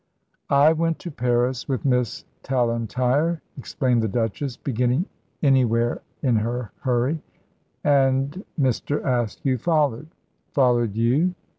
"I went to Paris with Miss Tallentire," explained the Duchess, beginning anywhere in her hurry, "and Mr. Askew followed." "Followed you?"